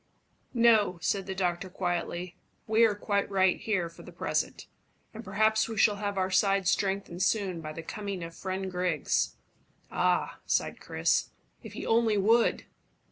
"No," said the doctor quietly. "We are quite right here for the present, and perhaps we shall have our side strengthened soon by the coming of friend Griggs." "Ah!" sighed Chris, "if he only would!"